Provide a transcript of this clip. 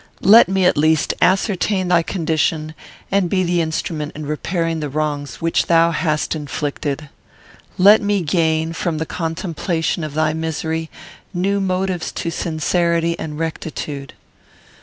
Let me, at least, ascertain thy condition, and be the instrument in repairing the wrongs which thou hast inflicted. Let me gain, from the contemplation of thy misery, new motives to sincerity and rectitude."